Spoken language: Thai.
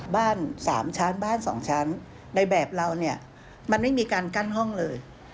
บ้าน๓ชั้นบ้าน๒ชั้นในแบบเราเนี่ยมันไม่มีการกั้นห้องเลย